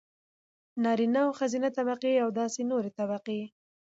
نارينه او ښځينه طبقې او داسې نورې طبقې.